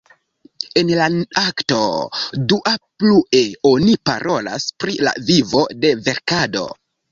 En la akto dua, plue oni parolas pri la vivo de verkado.